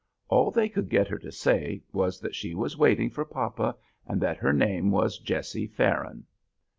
All they could get her to say was that she was waiting for papa and that her name was Jessie Farron.